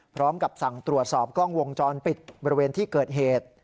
พร้อมกับสั่งตรวจสอบกล้องวงจรปิดบริเวณที่เกิดเหตุ